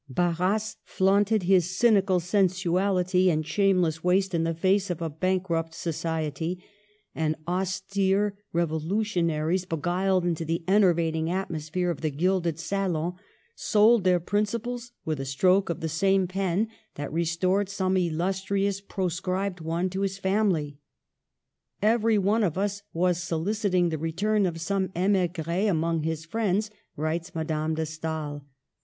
Barras "flaunted his cynical sensuality and shameless waste in the face of a bankrupt society ; and austere revolutionaries* beguiled into the enervating atmosphere of the gilded salons, sold their principles with a stroke of the same pen that restored some illustrious proscribed one to his family. " Every one of us was soliciting the return of some tmigrt among his friends," writes Madame de Stael.